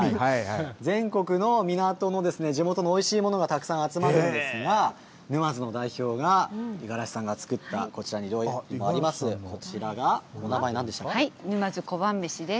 全国の港の地元のおいしいものがたくさん集まっているんですが、沼津の代表が五十嵐さんが作ったこちらに用意してあります、こち沼津小判めしです。